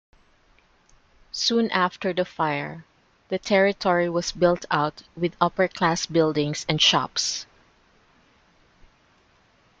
Soon after the fire, the territory was built out with upper-class buildings and shops.